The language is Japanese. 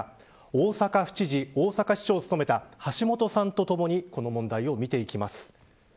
大阪府知事、大阪市長を務めた橋下さんとともにこの問題を見ていきます。